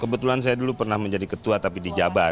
kebetulan saya dulu pernah menjadi ketua tapi dijabar